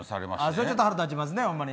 それはちょっと腹立ちますね、ほんまに。